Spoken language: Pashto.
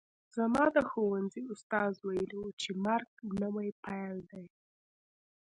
زما د ښوونځي استاد ویلي وو چې مرګ نوی پیل دی